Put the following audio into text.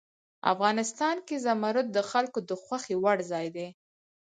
افغانستان کې زمرد د خلکو د خوښې وړ ځای دی.